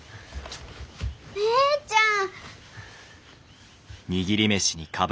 姉ちゃん！